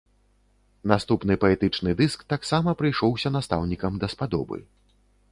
Наступны паэтычны дыск таксама прыйшоўся настаўнікам даспадобы.